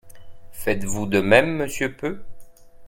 Faites-vous de même, monsieur Peu?